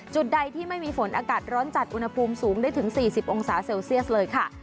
จุดใดที่ไม่มีฝนอากาศร้อนจัดอุณหภูมิสูงได้ถึง๔๐องศาเซลเซียสเลยค่ะ